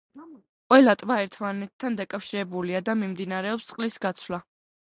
ყველა ტბა ერთმანეთთან დაკავშირებულია და მიმდინარეობს წყლის გაცვლა.